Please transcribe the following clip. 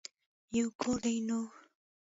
يو کور دی نو.